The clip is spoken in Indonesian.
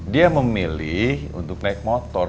dia memilih untuk naik motor